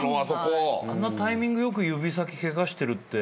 あんなタイミングよく指先ケガしてるって。